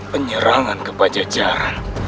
penyerangan kepada jaran